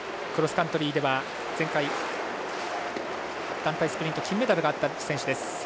クロスカントリーでは前回団体スプリントで金メダルがあった選手です。